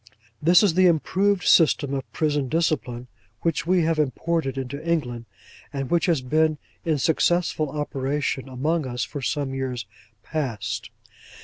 This is the improved system of Prison Discipline which we have imported into England, and which has been in successful operation among us for some years past.